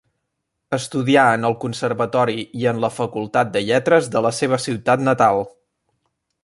Estudià en el Conservatori i en la Facultat de Lletres de la seva ciutat natal.